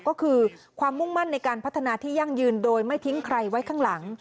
ก็คือความมุ่งมั่นในการพัฒนาที่ยั่งยืนโดยไม่ทิ้งใครไว้ข้างหลัง